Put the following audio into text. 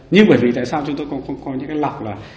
nhưng bởi vì tại sao chúng tôi cũng không có những cái lọc là